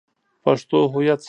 پښتو هویت ساتي.